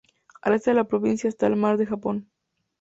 Al este de la provincia está el mar de Japón.